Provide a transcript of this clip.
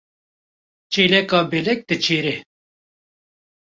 Çêleka belek diçêre.